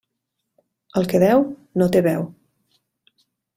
El que deu no té veu.